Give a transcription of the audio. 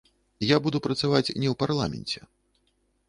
Я буду працаваць не ў парламенце.